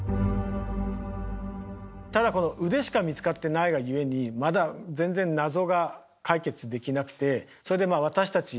ただこの腕しか見つかってないがゆえにまだ全然謎が解決できなくてそれでまあ私たち